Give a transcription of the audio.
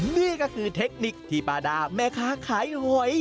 นี่ก็คือเทคนิคที่ป้าดาแม่ค้าขายหอย